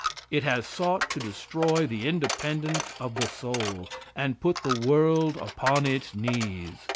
It has sought to destroy the independence of the soul, and put the world upon its knees.